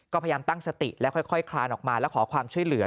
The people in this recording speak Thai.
ก็พยายามตั้งสติแล้วค่อยคลานออกมาแล้วขอความช่วยเหลือ